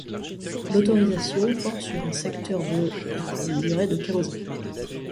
L'autorisation porte sur un secteur de et pour une durée de quinze ans.